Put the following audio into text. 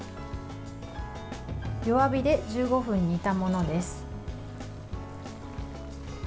弱火で１５分煮たものです。